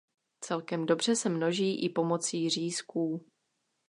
Celkem dobře se množí i pomoci řízků.